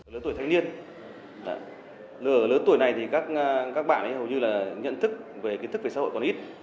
lứa tuổi thanh niên ở lớn tuổi này thì các bạn hầu như là nhận thức về kiến thức về xã hội còn ít